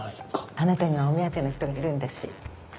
あなたにはお目当ての人がいるんだし。